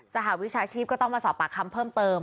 สหวิชาชีพก็ต้องมาสอบปากคำเพิ่มเติม